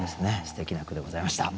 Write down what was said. すてきな句でございました。